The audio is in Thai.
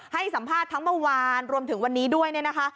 ให้สัมภาษณ์ทั้งเมื่อวานรวมถึงวันนี้ด้วยเนี่ยนะคะ